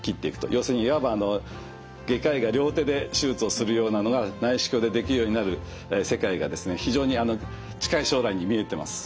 要するにいわば外科医が両手で手術をするようなのが内視鏡でできるようになる世界がですね非常に近い将来に見えてます。